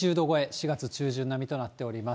４月中旬並みとなっております。